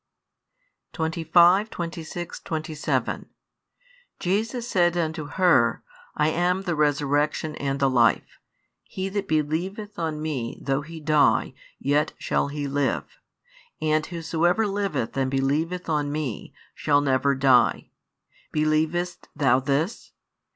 25, 26, 27 Jesus said unto her, I am the Resurrection and the Life; he that believeth on Me though he die, yet shall he live: and whosoever liveth and believeth on Me, shall never die. Believest thou this?